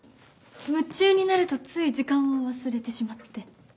夢中になるとつい時間を忘れてしまって。